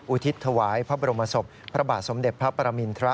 อุทิศถวายพระบรมศพพระบาทสมเด็จพระปรมินทร